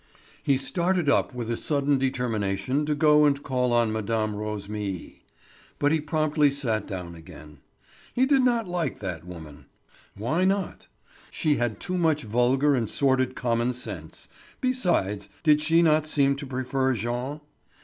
He started up with a sudden determination to go and call on Mme. Rosémilly. But he promptly sat down again. He did not like that woman. Why not? She had too much vulgar and sordid common sense; besides, did she not seem to prefer Jean?